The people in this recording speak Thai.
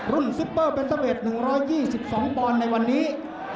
รุ่นซิปเปอร์เป็นสำเร็จ๑๒๒ปอนด์ในวันนี้